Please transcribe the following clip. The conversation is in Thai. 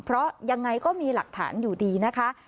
เพราะยังไงก็มีหลักฐานอยู่ดีนะคะ